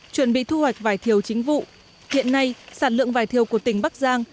chuẩn bị thu hoạch vải thiều chính vụ hiện nay sản lượng vải thiều của tỉnh bắc giang